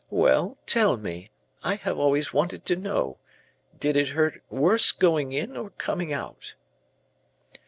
Well, tell me, I have always wanted to know, did it hurt worse going in or coming out?"